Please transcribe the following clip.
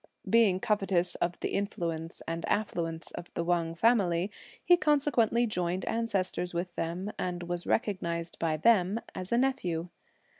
Being covetous of the influence and affluence of the Wang family, he consequently joined ancestors with them, and was recognised by them as a nephew.